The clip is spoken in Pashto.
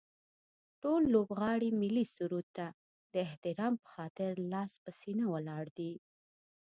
ټول لوبغاړي ملي سرود ته د احترام به خاطر لاس په سینه ولاړ دي